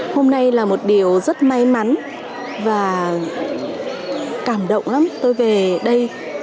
hôm nay là một điều rất may mắn và cảm động lắm tôi về đây